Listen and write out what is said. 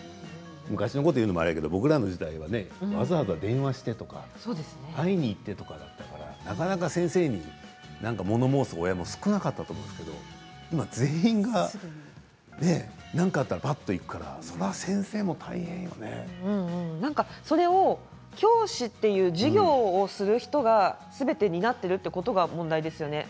昔のことを言うのもあれですけれど僕らのころは電話をしてとか会いに行ってとかだったからなかなか先生にものを申す親が少なかったと思うんですけれど今、全員が何かあったら言ってしまうからそれを教師という授業をする人がすべてになっているということが問題ですよね。